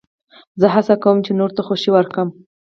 زه هڅه کوم، چي نورو ته خوښي ورکم.